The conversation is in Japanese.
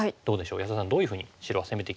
安田さんどういうふうに白は攻めてきますかね？